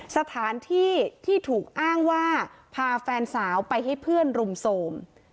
สถานที่ที่ถูกอ้างว่าพาแฟนสาวไปให้เพื่อนรุมโทรม